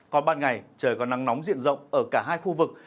còn ban ngày trời có nắng nóng diện rộng ở cả hai khu vực